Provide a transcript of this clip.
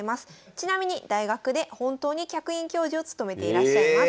ちなみに大学で本当に客員教授を務めていらっしゃいます。